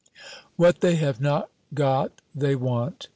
What they have not got they want.